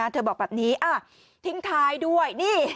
เธอบอกแบบนี้ทิ้งท้ายด้วยนี่